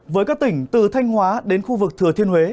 với các tỉnh từ thanh hóa đến khu vực thừa thiên huế